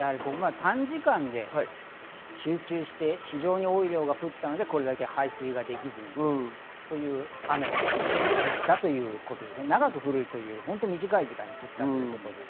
短時間で集中して非常に多い量が降ったのでこれだけ排水ができず、そういう雨が降ったということで、長く降るというより本当に短い時間に降ったということです。